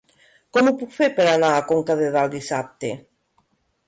Com ho puc fer per anar a Conca de Dalt dissabte?